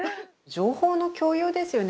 情報の共有ですよね。